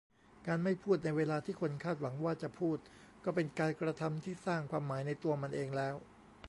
การ'ไม่พูด'ในเวลาที่คนคาดหวังว่าจะพูด ก็เป็นการกระทำที่สร้างความหมายในตัวมันเองแล้ว